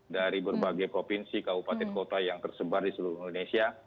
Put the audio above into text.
dari berbagai provinsi kabupaten kota yang tersebar di seluruh indonesia